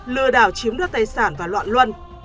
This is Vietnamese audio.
lừa đảo chiếm đất tài sản và loạn luân